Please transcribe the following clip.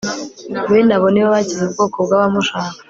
bene abo ni bo bagize ubwoko bw'abamushaka